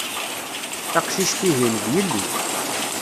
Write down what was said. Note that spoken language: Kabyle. Taqcict-ihin, d yelli.